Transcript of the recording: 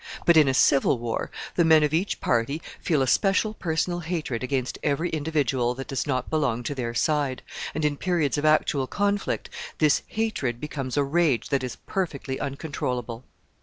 But in a civil war, the men of each party feel a special personal hate against every individual that does not belong to their side, and in periods of actual conflict this hatred becomes a rage that is perfectly uncontrollable.